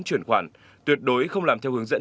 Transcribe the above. truyền khoản tuyệt đối không làm theo hướng dẫn